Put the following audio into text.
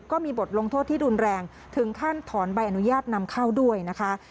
ก็มีบทลงโทษที่รุนแรงถึงขั้นถอนใบอนุญาตนำเข้าด้วยนะคะ